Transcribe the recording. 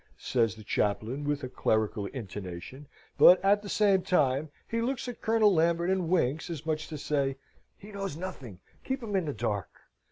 says the chaplain, with a clerical intonation; but, at the same time, he looks at Colonel Lambert and winks, as much as to say, "He knows nothing keep him in the dark."